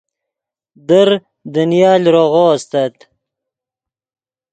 در دنیا لروغو استت